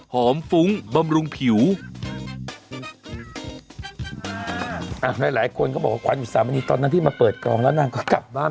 หลายคนก็บอกว่าควันอยู่สามนิดนึงตอนนั้นที่มาเปิดกลองแล้วนางก็กลับบ้าน